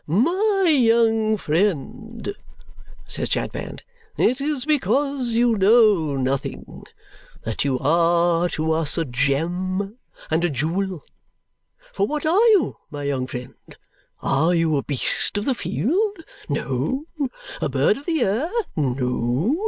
"My young friend," says Chadband, "it is because you know nothing that you are to us a gem and jewel. For what are you, my young friend? Are you a beast of the field? No. A bird of the air? No.